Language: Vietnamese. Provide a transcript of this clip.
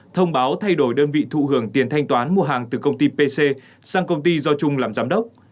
thông báo thay đổi đơn vị thụ hưởng tiền thanh toán mua hàng từ công ty pc sang công ty do trung làm giám đốc